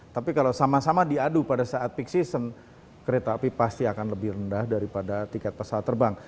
tapi kalau sama sama diadu pada saat peak season kereta api pasti akan lebih rendah daripada tiket pesawat terbang